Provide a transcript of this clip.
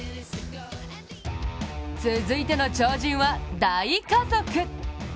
続いての超人は大家族。